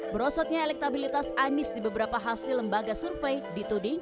berosotnya elektabilitas anies di beberapa hasil lembaga survei dituding